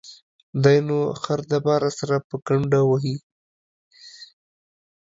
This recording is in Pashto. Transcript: دى نو خر د باره سره په گڼده وهي.